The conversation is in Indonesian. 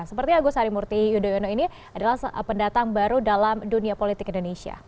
seperti agus harimurti yudhoyono ini adalah pendatang baru dalam dunia politik indonesia